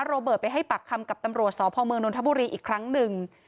โรเบิร์ตไปให้ปากคำกับตำรวจสพเมืองนทบุรีอีกครั้งหนึ่ง